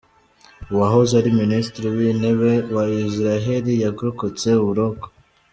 Uwahoze ari Minisitiri w’Intebe wa Isiraheli yarokotse uburoko